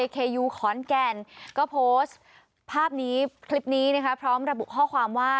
ก็โพสต์ภาพนี้คลิปนี้นะครับพร้อมระบุข้อความว่า